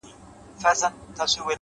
هره پوښتنه د کشف پیل دی’